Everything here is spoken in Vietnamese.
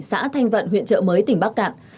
xã thanh vận huyện chợ mới tỉnh bắc cạn